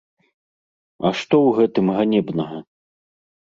А што ў гэтым ганебнага?